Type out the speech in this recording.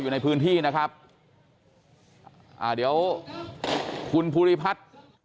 คุณภูริพัฒน์บุญนินคุณภูริพัฒน์บุญนิน